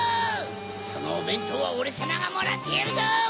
そのおべんとうはオレさまがもらってやるぞ！